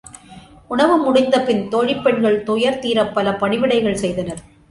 உணவு முடிந்தபின் தோழிப் பெண்கள் துயர்தீரப் பல பணிவிடைகள் செய்தனர்.